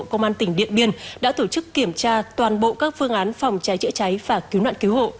công an tỉnh điện biên đã tổ chức kiểm tra toàn bộ các phương án phòng cháy chữa cháy và cứu nạn cứu hộ